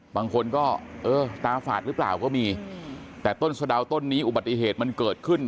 บางคนก็เออตาฝาดหรือเปล่าก็มีแต่ต้นสะดาวต้นนี้อุบัติเหตุมันเกิดขึ้น